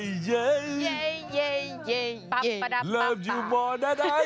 นี่แหละคือเราร้องเพลงกับเขา